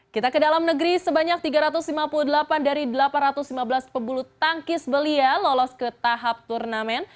kita ke dalam negeri sebanyak tiga ratus lima puluh delapan dari delapan ratus lima belas pebulu tangkis belia lolos ke tahap turnamen